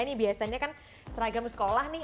ini biasanya kan seragam sekolah nih